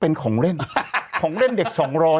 เป็นของเล่นของเล่นเด็กสองร้อย